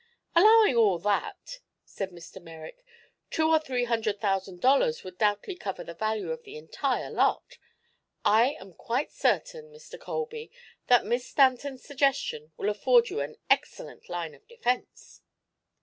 "Allowing all that," said Mr. Merrick, "two or three hundred thousand dollars would doubtless cover the value of the entire lot. I am quite certain, Mr. Colby, that Miss Stanton's suggestion will afford you an excellent line of defense."